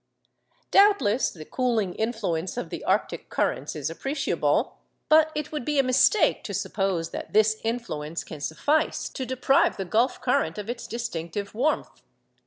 Doubtless the cooling influence of the arctic currents is appreciable; but it would be a mistake to suppose that this influence can suffice to deprive the Gulf current of its distinctive warmth.